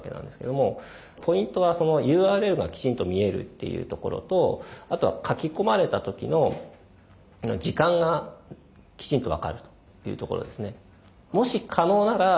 ポイントはＵＲＬがきちんと見えるっていうところとあとは書き込まれた時の時間がきちんと分かるというところですね。